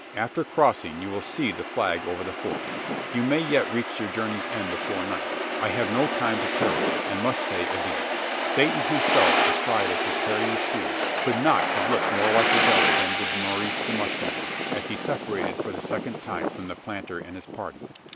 After crossing, you will see the flag over the Fort. You may yet reach your journey's end before night. I have no time to tarry; and must say adieu." Satan himself, astride a Tartarean steed, could not have looked more like the devil than did Maurice the Mustanger, as he separated for the second time from the planter and his party.